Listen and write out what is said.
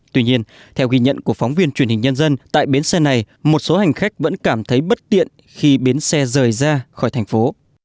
tuy nhiên theo ghi nhận của phóng viên truyền hình nhân dân tại bến xe này một số hành khách vẫn cảm thấy bất tiện khi bến xe rời ra khỏi thành phố